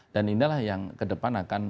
dan inilah yang ke depan akan